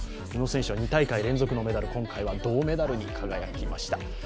宇野選手は２大会連続のメダル、今回は銅メダルに輝きました。